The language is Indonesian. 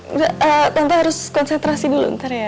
nggak tante harus konsentrasi dulu ntar ya